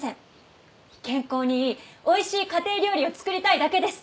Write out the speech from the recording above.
健康にいいおいしい家庭料理を作りたいだけです。